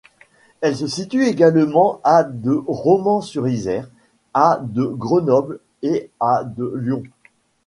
Elle se situe également à de Romans-sur-Isère, à de Grenoble et à de Lyon.